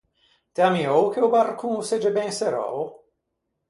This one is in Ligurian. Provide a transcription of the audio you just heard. T’æ ammiou che o barcon o segge ben serrou?